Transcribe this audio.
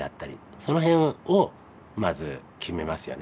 その辺をまず決めますよね。